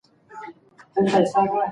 موږ باید د یو بل روغتیایي پوښتنه وکړو.